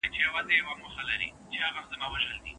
له غمه هېر يم د بلا په حافظه کې نه يم